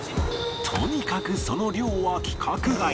とにかくその量は規格外